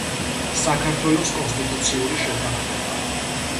საქართველოს კონსტიტუციური შეთანხმება;